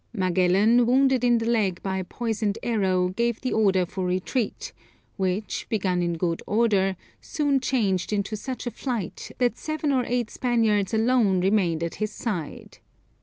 Magellan, wounded in the leg by a poisoned arrow, gave the order for retreat, which, begun in good order, soon changed into such a flight, that seven or eight Spaniards alone remained at his side.